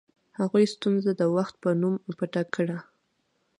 هغوی ستونزه د وخت په نوم پټه کړه.